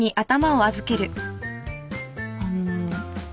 あの。